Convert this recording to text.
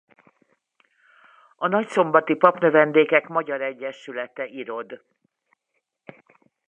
A nagyszombati papnövendékek magyar egyesülete irod.